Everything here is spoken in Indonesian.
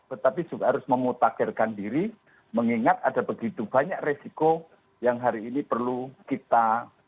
tetapi juga harus memutakhirkan diri mengingat ada begitu banyak resiko yang hari ini perlu kita